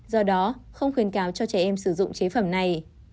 do đó không khuyến cáo cho trẻ em sử dụng chế phẩm này